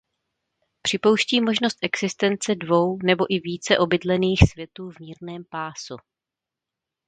Připouští možnost existence dvou nebo i více obydlených světů v mírném pásu.